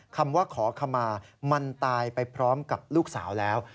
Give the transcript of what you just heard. คำว่าขอขมามันตายไปพร้อมกับลูกสาวแล้ว